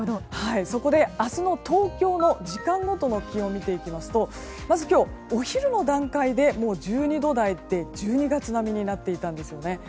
そこで、明日の東京の時間ごとの気温を見てみますとまず今日、お昼の段階でもう１２度台と１２月並みだったんですね。